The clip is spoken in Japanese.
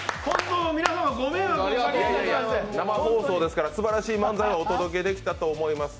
生放送ですから、すばらしい漫才をお届けできたと思います。